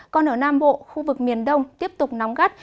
còn ở nam bộ khu vực miền đông tiếp tục nóng gắt